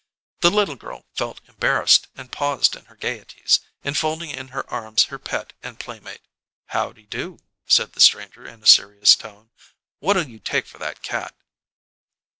The little girl felt embarrassed and paused in her gayeties, enfolding in her arms her pet and playmate. "Howdy' do," said the stranger, in a serious tone. "What'll you take for that cat?"